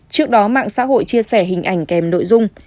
trước đó mạng xã hội chia sẻ hình ảnh kèm nội dung